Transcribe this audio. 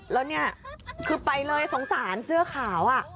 แล้วเนี่ยคือไปเลยสงสารเสื้อขาว